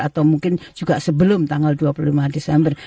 atau mungkin juga sebelum tanggal dua puluh lima desember